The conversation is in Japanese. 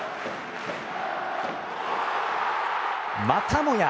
またもや